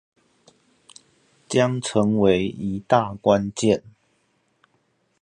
將成為一大關鍵